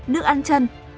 nước ăn chân